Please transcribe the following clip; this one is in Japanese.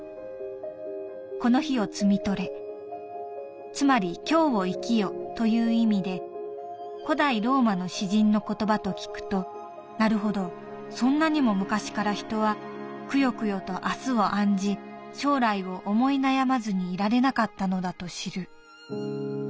この日を摘み取れつまり今日を生きよという意味で古代ローマの詩人の言葉と聞くとなるほどそんなにも昔から人はくよくよと明日を案じ将来を思い悩まずにいられなかったのだと知る」。